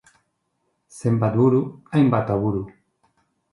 Zenbat buru, hainbat aburu!